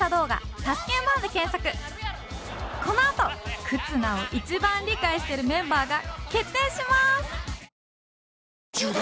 このあと忽那を一番理解してるメンバーが決定します！